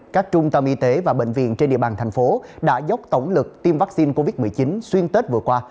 các trung tâm y tế và bệnh viện trên địa bàn thành phố đã dốc tổng lực tiêm vaccine covid một mươi chín xuyên tết vừa qua